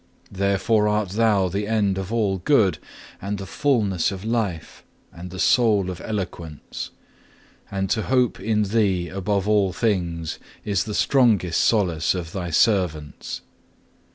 Therefore art Thou the end of all good, and the fulness of Life, and the soul of eloquence; and to hope in Thee above all things is the strongest solace of Thy servants.